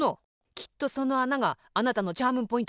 きっとそのあながあなたのチャームポイントになるの。